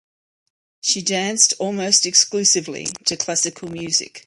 She danced almost exclusively to classical music.